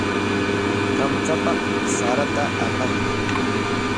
Kamchapaq sarata apamuy.